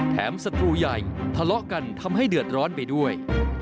ศัตรูใหญ่ทะเลาะกันทำให้เดือดร้อนไปด้วย